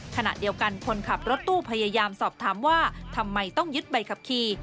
ขณะเดียวกันคนขับรถตู้พยายามสอบถามว่าทำไมต้องยึดใบขับขี่